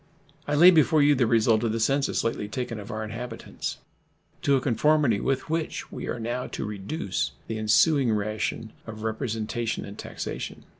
I lay before you the result of the census lately taken of our inhabitants, to a conformity with which we are now to reduce the ensuing ration of representation and taxation.